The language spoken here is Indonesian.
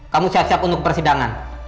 kamu siap siap untuk persidangan